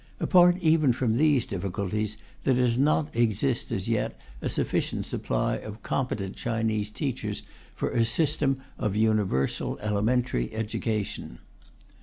Apart even from these difficulties, there does not exist, as yet, a sufficient supply of competent Chinese teachers for a system of universal elementary education.